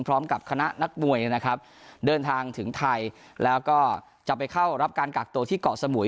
พร้อมกับคณะนักมวยนะครับเดินทางถึงไทยแล้วก็จะไปเข้ารับการกักตัวที่เกาะสมุย